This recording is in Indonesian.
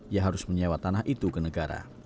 ia harus menyewa tanah itu ke negara